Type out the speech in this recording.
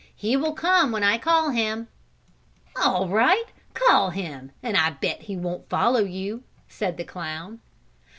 "He will come when I call him." "All right, call him, and I bet he won't follow you," said the clown.